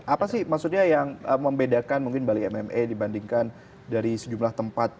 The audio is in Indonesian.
apa sih maksudnya yang membedakan mungkin bali mma dibandingkan dari sejumlah tempat